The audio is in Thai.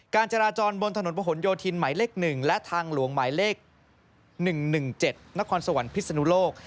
การจราจรบนถนนประหลโยธินหมายเลข๑และทางหลวงหมายเลข๑๑๗นครสวรรค์พิศนุโลก